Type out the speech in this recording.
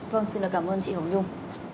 vâng xin lỗi cảm ơn chị hồng dung